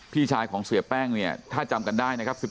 พี่ชายของเสียแป้งเนี่ยถ้าจำกันได้นะครับ